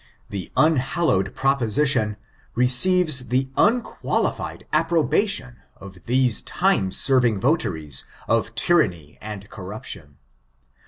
The unhallowed proposition receives the unqualified approbation of these time serving votaries of tyranny and corruption.